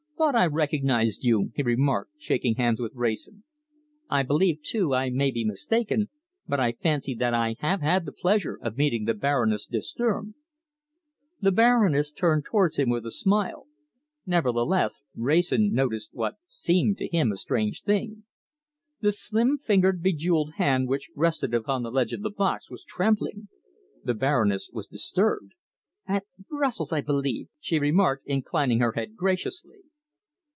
"Thought I recognized you," he remarked, shaking hands with Wrayson. "I believe, too, I may be mistaken, but I fancy that I have had the pleasure of meeting the Baroness de Sturm." The Baroness turned towards him with a smile. Nevertheless, Wrayson noticed what seemed to him a strange thing. The slim fingered, bejewelled hand which rested upon the ledge of the box was trembling. The Baroness was disturbed. "At Brussels, I believe," she remarked, inclining her head graciously.